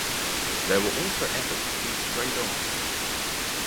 There were also efforts to feed stray dogs.